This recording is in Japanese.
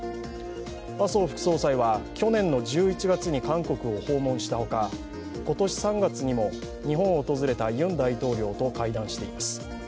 麻生副総裁は去年の１１月に韓国を訪問したほか、今年３月にも日本を訪れたユン大統領と会談しています。